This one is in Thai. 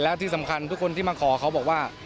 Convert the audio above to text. แล้วที่สำคัญทุกคนที่มาขอเขาบอกว่า